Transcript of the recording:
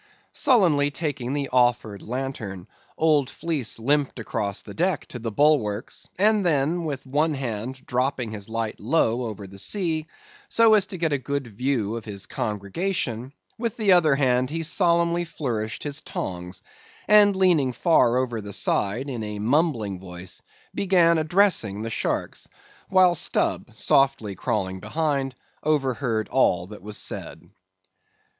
Sullenly taking the offered lantern, old Fleece limped across the deck to the bulwarks; and then, with one hand dropping his light low over the sea, so as to get a good view of his congregation, with the other hand he solemnly flourished his tongs, and leaning far over the side in a mumbling voice began addressing the sharks, while Stubb, softly crawling behind, overheard all that was said.